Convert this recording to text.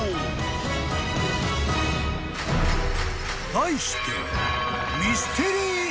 ［題して］